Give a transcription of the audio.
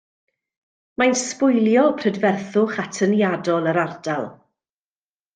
Mae'n sbwylio prydferthwch atyniadol yr ardal.